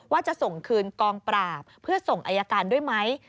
ว่าจะส่งคืนกองปราบเพื่อส่งอายการด้วยไหม